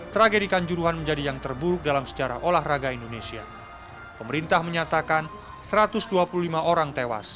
tragedikan juruhan menjadi yang terburuk dalam sejarah olahraga indonesia pemerintah menyatakan